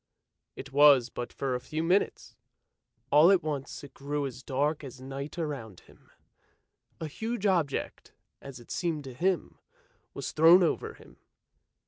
It was but for a few minutes; all at once it grew as dark as night around him; a huge object, as it seemed to him, was thrown over him.